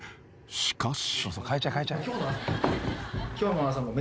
［しかし］